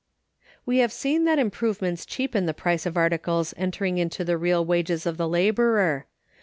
We have seen that improvements cheapen the price of articles entering into the real wages of the laborer.